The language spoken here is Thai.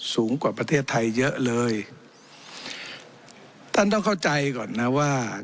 สูงกว่าประเทศไทยเยอะเลยท่านต้องเข้าใจก่อนนะว่า